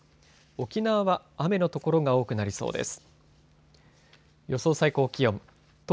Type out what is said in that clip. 沖縄は雨の所が多くなりそうです。